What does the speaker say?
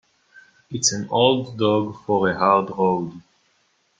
It's an old dog for a hard road.